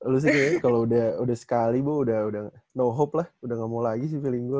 lu sih kayaknya kalo udah sekali bu udah no hope lah udah gak mau lagi sih feeling gue lu